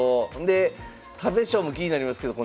で食べ将も気になりますけど